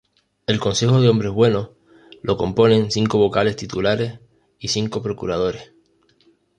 El Consejo de Hombres Buenos lo componen cinco Vocales titulares y cinco Procuradores.